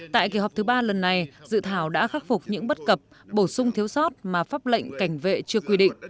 tại kỳ họp thứ ba lần này dự thảo đã khắc phục những bất cập bổ sung thiếu sót mà pháp lệnh cảnh vệ chưa quy định